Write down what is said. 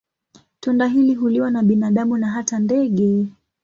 Tunda hili huliwa na binadamu na hata ndege.